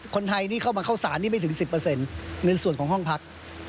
คนไทยนี่เข้ามาเข้าสารนี่ไม่ถึง๑๐เงินส่วนของห้องพัก